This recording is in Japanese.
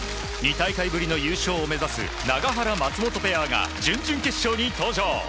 ２大会ぶりの優勝を目指す永原、松本ペアが準々決勝に登場。